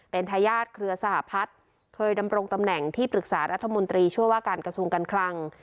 เป็นทายาทเครือสหพัฒน์เคยดำรงตำแหน่งที่ปรึกษารัฐมนตรีช่วยว่าการกระทรวงการคลัง